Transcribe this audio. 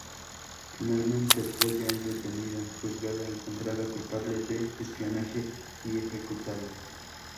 Finalmente Freya es detenida, juzgada, encontrada culpable de espionaje y ejecutada.